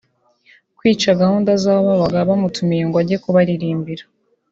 kwica gahunda zaho babaga bamutumiye ngo ajye kubaririmbira